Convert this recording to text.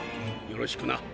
よろしくな。